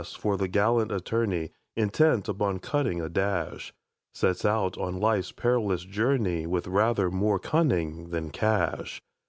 for the gallant attorney, Intent upon cutting a dash, Sets out on life's perilous journey With rather more cunning than cash.